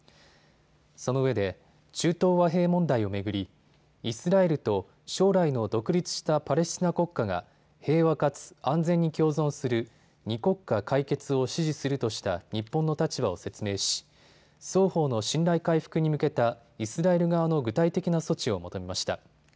そのうえで中東和平問題を巡り、イスラエルと将来の独立したパレスチナ国家が平和かつ安全に共存する二国家解決を支持するとした日本の立場を説明し双方の信頼回復に向けたイスラエル側の具体的な措置を求めました。